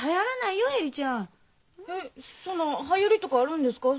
そんなはやりとかあるんですか？